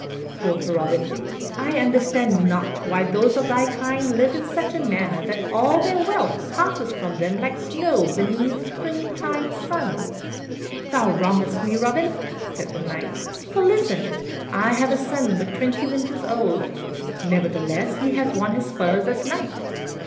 Quoth Robin, "I understand not why those of thy kind live in such a manner that all their wealth passeth from them like snow beneath the springtide sun." "Thou wrongest me, Robin," said the Knight, "for listen: I have a son but twenty winters old, nevertheless he has won his spurs as knight.